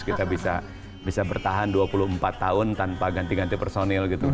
kita bisa bertahan dua puluh empat tahun tanpa ganti ganti personil gitu